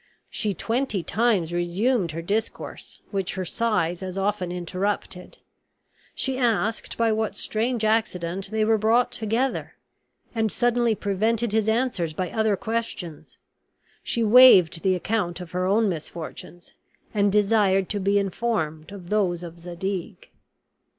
She twenty times resumed her discourse, which her sighs as often interrupted; she asked by what strange accident they were brought together, and suddenly prevented his answers by other questions; she waived the account of her own misfortunes, and desired to be informed of those of Zadig.